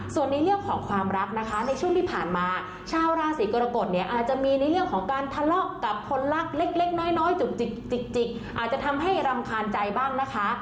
ส่วนในเรื่องของความรักนะคะในช่วงที่ผ่านมาชาวราศีกรกฎเนี่ยอาจจะมีในเรื่องของการทะเลาะกับคนรักเล็กน้อยจุกจิกจิกอาจจะทำให้รำคาญใจบ้างนะคะ